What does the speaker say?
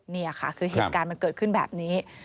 นี่ค่ะคือเหตุการณ์มันเกิดขึ้นแบบนี้